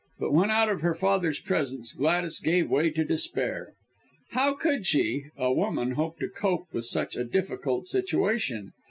But when out of her father's presence, Gladys gave way to despair. How could she a woman hope to cope with such a difficult situation?